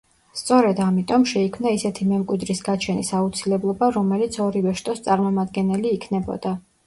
სწორედ ამიტომ, შეიქმნა ისეთი მემკვიდრის გაჩენის აუცილებლობა, რომელიც ორივე შტოს წარმომადგენელი იქნებოდა.